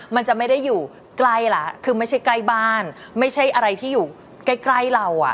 มันจะไม่ได้อยู่ใกล้แล้วคือไม่ใช่ใกล้บ้านไม่ใช่อะไรที่อยู่ใกล้ใกล้เราอ่ะ